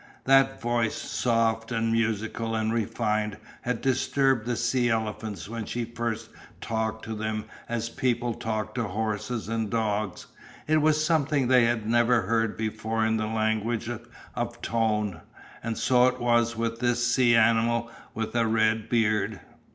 That voice, soft and musical and refined, had disturbed the sea elephants when she first talked to them as people talk to horses and dogs, it was something they had never heard before in the language of tone, and so it was with this sea animal with a red beard.